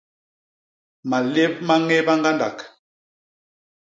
Malép ma ññéba ñgandak.